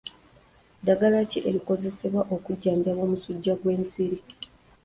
Ddagala ki erikozesebwa okujjanjaba omusujja gw'ensiri?